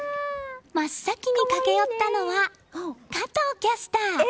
真っ先に駆け寄ったのは加藤キャスター。